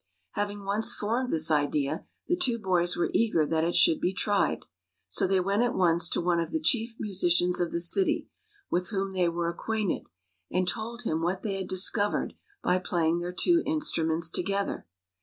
Having once formed this idea, the two boys were eager that it should be tried. So they went at once to one of the chief musicians of the city, with whom they were acquainted, and told him what they had discovered by playing their two instruments together.